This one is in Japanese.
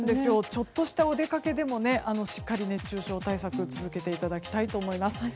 ちょっとしたお出かけでもしっかり熱中症対策を続けていただきたいと思います。